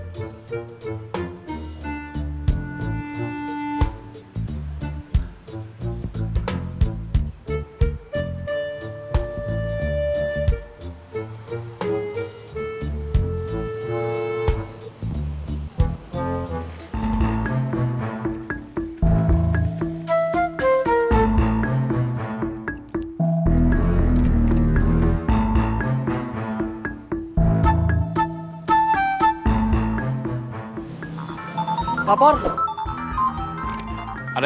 yang parkir udah gak ada